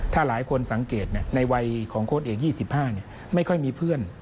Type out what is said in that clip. ถ้าหลายคนสังเกตในวัยของโค้ดเอก๒๕ไม่ค่อยมีเพื่อน